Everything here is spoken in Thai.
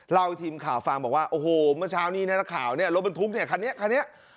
เล่าให้ทีมข่าวฟังบอกว่าโอ้โหเมื่อเช้านี้นะครับรถบรรทุกเนี่ยคันนี้คันนี้